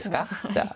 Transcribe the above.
じゃあ。